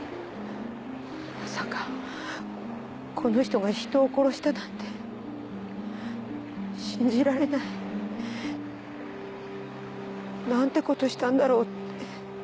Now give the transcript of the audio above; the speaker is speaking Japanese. まさかこの人が人を殺したなんて信じられない。なんてことしたんだろうって。